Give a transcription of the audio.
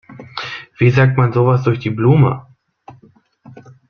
Wie sagt man sowas durch die Blume?